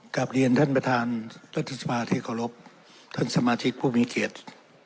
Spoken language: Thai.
กลับเรียนท่านประธานรัฐสภาที่เคารพท่านสมาชิกผู้มีเกียรติ